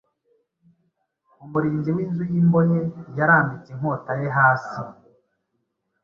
Umurinzi w’inzu y’imbohe yarambitse inkota ye hasi,